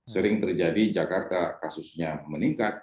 sering terjadi jakarta kasusnya meningkat